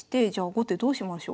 後手どうしましょう？